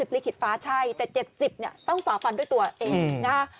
๓๐ลิขิตฟ้าชัยแต่๗๐ต้องฝาฟันด้วยตัวเองนะคะ